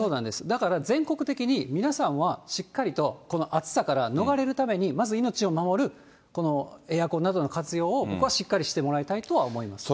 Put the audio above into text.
だから全国的に、皆さんはしっかりと、この暑さから逃れるために、まず命を守る、このエアコンなどの活用を、僕はしっかりしてもらいたいとは思います。